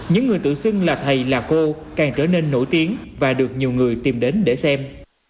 những người tự xưng là thầy là cô càng trở nên nổi tiếng và được nhiều người tìm đến để xem